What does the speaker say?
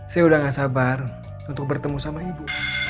saya udah gak sabar untuk bertemu sama ibu